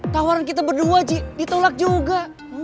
tawaran kita berdua di tolak juga